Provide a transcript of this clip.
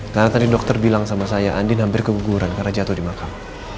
karena tadi dokter bilang sama saya andin hampir keguguran karena jatuh di makam